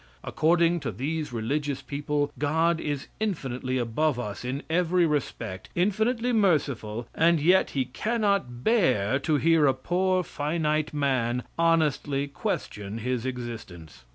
According to these religious people, God is infinitely above us in every respect, infinitely merciful, and yet He cannot bear to hear a poor finite man honestly question His existence.